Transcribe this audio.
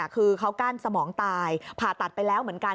คือเขากั้นสมองตายผ่าตัดไปแล้วเหมือนกัน